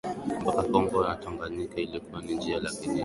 mpaka Kongo na Tanganyika ilikuwa ni njia lakini si asili yao